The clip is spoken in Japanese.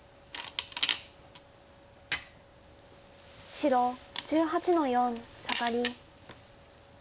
白１８の四サガリ。